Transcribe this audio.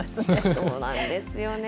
そうなんですよね。